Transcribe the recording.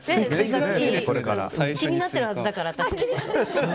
気になってるはずだから。